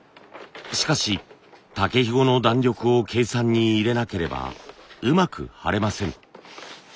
しかし竹ひごの弾力を計算に入れなければうまく貼れません。